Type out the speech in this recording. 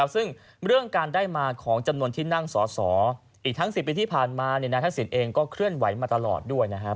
ซึ่งเรื่องการได้มาของจำนวนที่นั่งสอสออีกทั้ง๑๐ปีที่ผ่านมานายทักษิณเองก็เคลื่อนไหวมาตลอดด้วยนะครับ